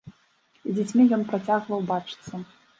З дзецьмі ён працягваў бачыцца.